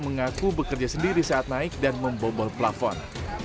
mengaku bekerja sendiri saat naik dan membobol plafon